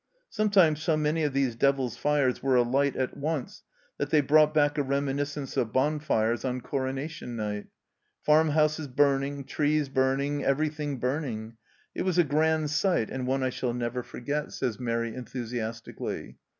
Sometimes so many of these devil's fires were alight at once that they brought back a reminis cence of bonfires on Coronation night. "Farm houses burning, trees burning, everything burning. It was a grand sight, and one I shall never forget," ON THE ROAD 77 says Mairi enthusiastically.